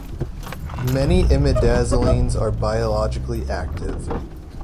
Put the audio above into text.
Many imidazolines are biologically active.